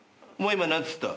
今何つった？